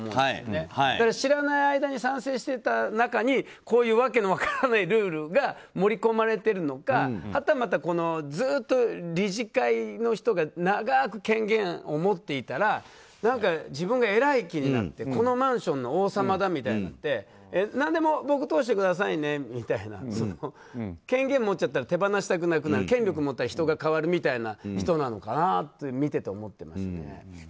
何も知らずに賛成していた中にこういうわけの分からないルールが盛り込まれているのかはたまた、ずっと理事会の人が長く権限を持っていたら自分が偉い気になってこのマンションの王様だみたいになって何でも僕、通してくださいねみたいな権限持っちゃったら手放したくなくなる権力を持ったら人が変わるみたいな人なのかなと見ていて思っていますね。